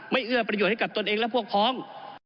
เอื้อประโยชน์ให้กับตนเองและพวกพ้อง